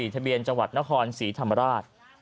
ทะเบียนจังหวัดนครศรีธรรมราช